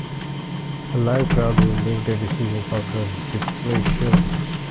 A live crowd will make their decision on the replay shown.